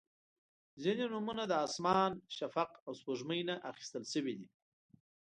• ځینې نومونه د اسمان، شفق، او سپوږمۍ نه اخیستل شوي دي.